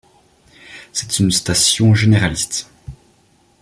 C'est une station généraliste.